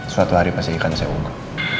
suatu hari pasti ikan saya unggul